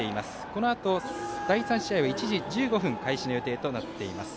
このあと、第３試合は１時１５分開始予定となっています。